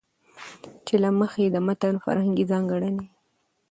چې له مخې يې د متن فرهنګي ځانګړنې